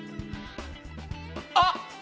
あっ！